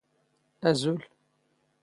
ⴰⵣⵓⵍ.